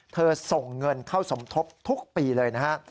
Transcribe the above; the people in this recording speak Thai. ส่งเงินเข้าสมทบทุกปีเลยนะฮะ